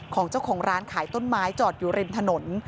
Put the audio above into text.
ของเจ้าของร้านขายต้นไม้จอดอยู่ริมถนน